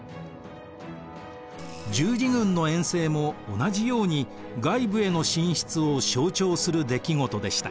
十字軍の遠征も同じように外部への進出を象徴する出来事でした。